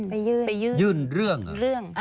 ไปยื่นเรื่อง